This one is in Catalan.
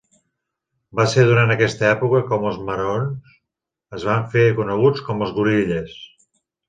Va ser durant aquesta època que els Maroons es van fer coneguts com els Gorillas.